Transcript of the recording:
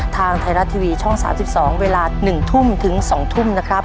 ทางไทยรัฐทีวีช่อง๓๒เวลา๑ทุ่มถึง๒ทุ่มนะครับ